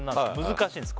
難しいんです